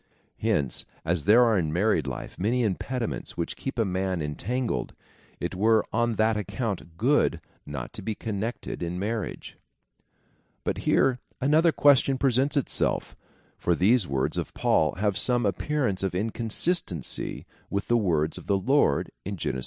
Hence, as there are in married life many impediments which keep a man en tangled, it were on that account good not to be connected in marriage. But here another question presents itself, for these words of Paul have some appearance of inconsistency with the words of the Lord, in Gen. ii.